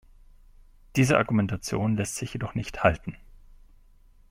Diese Argumentation lässt sich jedoch nicht halten.